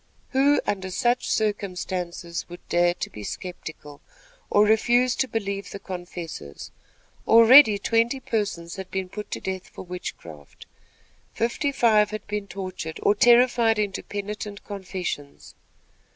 '" Who, under such circumstances, would dare to be skeptical, or refuse to believe the confessors? Already, twenty persons had been put to death for witchcraft. Fifty five had been tortured or terrified into penitent confessions.